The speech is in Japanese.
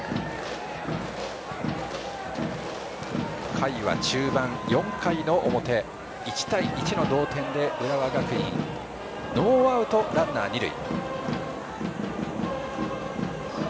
回は中盤、４回の表１対１の同点で浦和学院ノーアウト、ランナー、二塁。